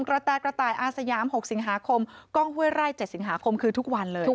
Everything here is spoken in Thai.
กระแตกระต่ายอาสยาม๖สิงหาคมกล้องห้วยไร่๗สิงหาคมคือทุกวันเลย